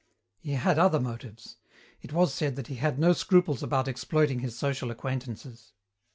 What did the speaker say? He had other motives. It was said that he had no scruples about exploiting his social acquaintances.